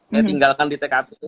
saya tinggalkan di tkp